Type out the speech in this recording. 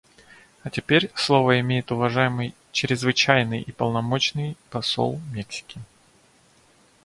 А теперь слово имеет уважаемый Чрезвычайный и Полномочный Посол Мексики.